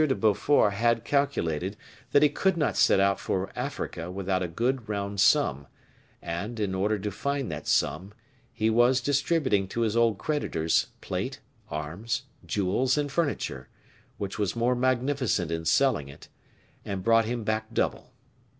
de Beaufort had calculated that he could not set out for Africa without a good round sum, and, in order to find that sum, he was distributing to his old creditors plate, arms, jewels, and furniture, which was more magnificent in selling it, and brought him back double.